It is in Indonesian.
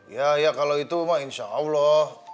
ya ya kalau itu mah insya allah